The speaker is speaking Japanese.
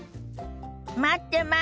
待ってます。